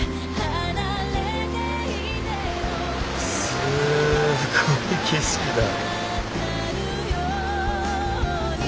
すごい景色だ。